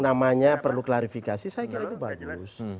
namanya perlu klarifikasi saya kira itu bagus